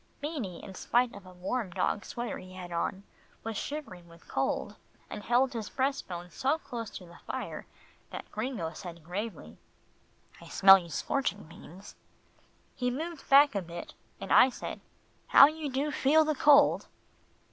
Beanie, in spite of a warm dog sweater he had on, was shivering with cold and held his breast bone so close to the fire, that Gringo said gravely, "I smell you scorching, Beans." He moved back a bit, and I said, "How you do feel the cold."